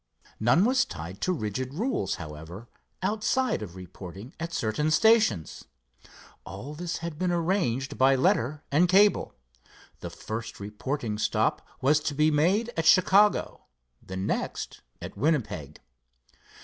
None was tied to rigid rules, however, outside of reporting at certain stations. All this had been arranged by letter and cable. The first reporting stop was to be made at Chicago, the next at Winnipeg.